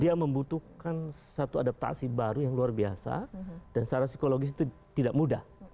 dia membutuhkan satu adaptasi baru yang luar biasa dan secara psikologis itu tidak mudah